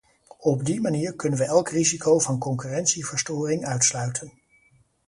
Op die manier kunnen we elk risico van concurrentieverstoring uitsluiten.